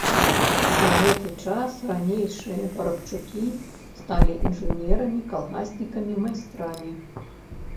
За гэты час ранейшыя парабчукі сталі інжынерамі, калгаснікамі, майстрамі.